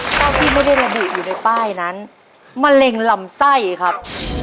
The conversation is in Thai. เท่าที่ไม่ได้ระบุอยู่ในป้ายนั้นมะเร็งลำไส้ครับ